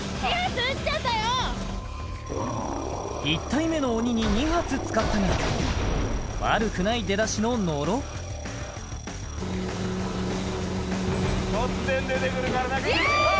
１体目の鬼に２発使ったが悪くない出だしの野呂突然出てくるからなあっ来たいやーっ！